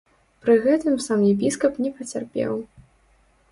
Пры гэтым сам епіскап не пацярпеў.